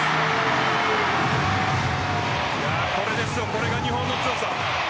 これが日本の強さ。